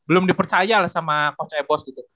belum dipercaya lah sama coach e bos gitu